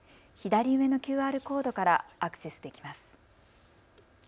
左上のＱＲコードからアクセスできます。